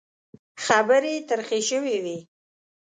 خبرې ترخې شوې وې.